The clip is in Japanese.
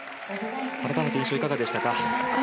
改めて印象いかがでしたか？